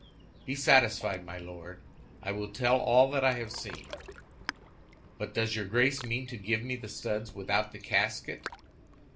"Be satisfied, my Lord, I will tell all that I have seen. But does your Grace mean to give me the studs without the casket?"